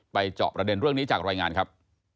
เจาะประเด็นเรื่องนี้จากรายงานครับ